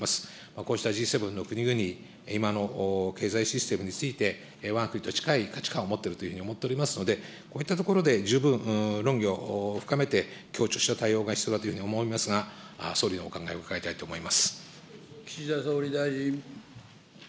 こうしたＧ７の国々、今の経済システムについて、わが国と近い価値観を持っているというふうに思っておりますので、こういったところで十分論議を深めて、協調した対応が必要だというふうに思いますが、総理のお考えを伺いたいと思います。